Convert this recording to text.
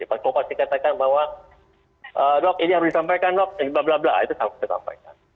kalau pasti dikatakan bahwa dok ini harus disampaikan dok blablabla itu selalu disampaikan